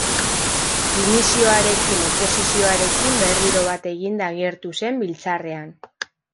Dimisioarekin oposizioarekin berriro bat eginda agertu zen Biltzarrean.